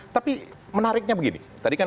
tapi menariknya begini tadi kan